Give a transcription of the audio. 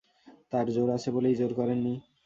তাঁর জোর আছে বলেই জোর করেন নি।